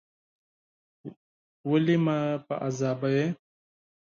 ولي مې په عذابوې ؟